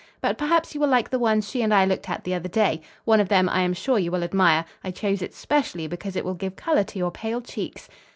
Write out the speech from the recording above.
But perhaps you will like the ones she and I looked at the other day. One of them I am sure you will admire. I chose it specially because it will give color to your pale cheeks."